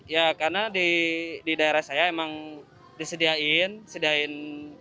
ya karena di daerah saya emang disediain